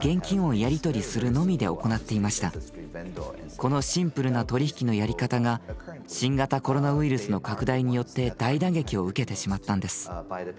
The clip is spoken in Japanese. このシンプルな取り引きのやり方が新型コロナウイルスの拡大によって大打撃を受けてしまったんです。